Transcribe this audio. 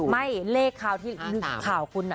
ไม่เลขข่าวที่หลุดข่าวคุณ